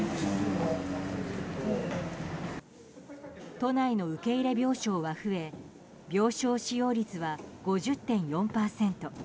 都内の受け入れ病床は増え病床使用率は５０．４％。